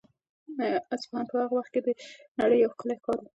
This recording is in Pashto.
اصفهان په هغه وخت کې د نړۍ یو ښکلی ښار و.